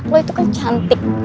lo itu kan cantik